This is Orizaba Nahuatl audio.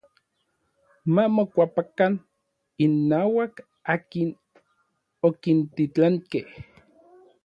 Ma mokuapakan innauak akin okintitlankej.